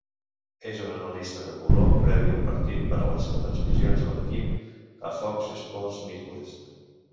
És un analista de color previ al partit, per a les retransmissions de l'equip a Fox Sports Midwest.